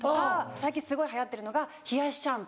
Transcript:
最近すごい流行ってるのが冷やしシャンプー。